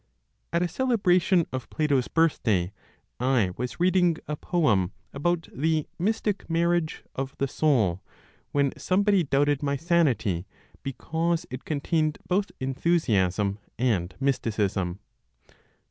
At a celebration of Plato's birthday I was reading a poem about the "Mystic Marriage" (of the Soul) when somebody doubted my sanity, because it contained both enthusiasm and mysticism.